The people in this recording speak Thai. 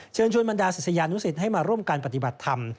เชิญชวนบรรดาศิษยานุสิตให้มาร่วมการปฏิบัติธรรม